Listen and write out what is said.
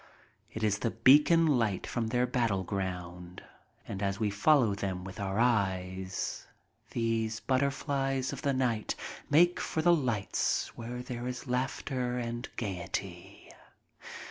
It is the beacon light from their battleground, and as we follow them with our eyes these butterflies of the night make for the lights where there is laughter and gayety.